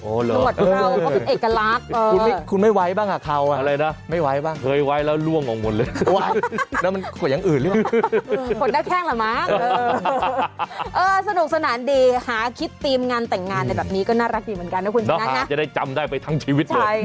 โอ้โฮดีดิเขายังถอดรูปไม่เสร็จมั้งเนี่ย